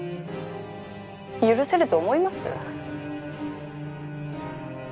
「許せると思います？」